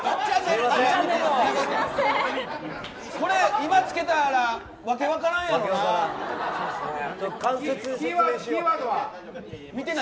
今つけたらわけわからんやろな。